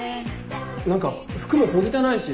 何か服も小汚いし。